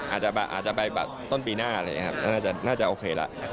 อาจจะไปต้นปีหน้าเลยน่าจะโอเคแล้ว